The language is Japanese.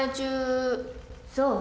そう。